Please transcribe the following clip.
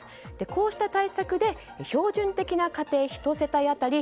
こうした対策で標準的な家庭１世帯当たり